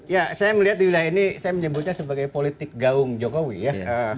ya saya melihat di wilayah ini saya menyebutnya sebagai politik gaung jokowi ya